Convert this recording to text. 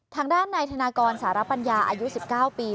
ทางด้านนายธนากรสารปัญญาอายุ๑๙ปี